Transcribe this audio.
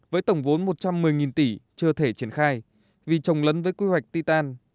với tổng vốn một trăm một mươi tỷ chưa thể triển khai vì trồng lấn với quy hoạch ti tàn